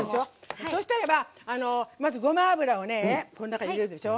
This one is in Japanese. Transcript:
そしたらば、ごま油をこの中、入れるでしょ。